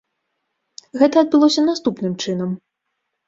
Гэта адбылося наступным чынам.